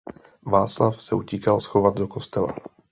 Václav se utíkal schovat do kostela.